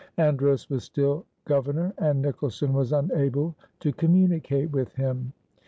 Andros was still Governor and Nicholson was unable to communicate with him.